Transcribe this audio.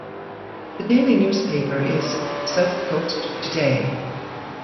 The daily newspaper is "South Coast Today".